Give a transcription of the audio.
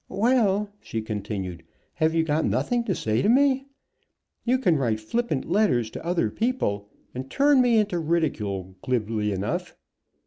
"Well," she continued, "have you got nothing to say to me? You can write flippant letters to other people, and turn me into ridicule glibly enough."